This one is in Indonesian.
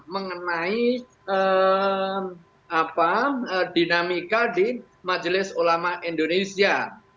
mengenai dinamika di majelis ulama indonesia